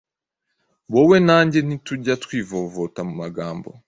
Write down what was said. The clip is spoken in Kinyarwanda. Wowe na njye ntitujya twivovota mu magambo